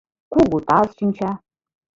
— Кугу таз шинча.